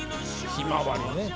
「ひまわり」ね。